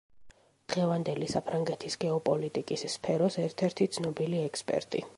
დღევანდელი საფრანგეთის გეოპოლიტიკის სფეროს ერთ-ერთი ცნობილი ექსპერტი.